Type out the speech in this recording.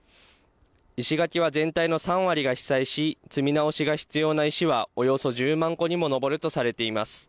石垣は全体の３割が被災し、積み直しが必要な石はおよそ１０万個にも上るとされています。